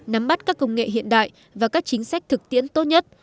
nắm bắt các công nghệ hiện đại và các chính sách thực tiễn tốt nhất